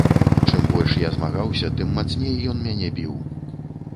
Чым больш я змагаўся, тым мацней ён мяне біў.